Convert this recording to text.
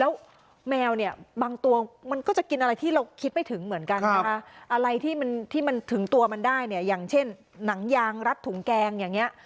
แล้วแมวเนี่ยบางตัวมันก็จะกินอะไรที่เราคิดไม่ถึงเหมือนกันนะคะอะไรที่มันที่มันถึงตัวมันได้เนี่ยอย่างเช่นหนังยางรัดถุงแกงอย่างนี้